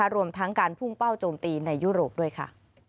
รวมทั้งการพุ่งเป้าโจมตีในยุโรปด้วยค่ะ